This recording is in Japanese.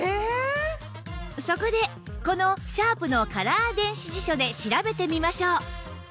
そこでこのシャープのカラー電子辞書で調べてみましょう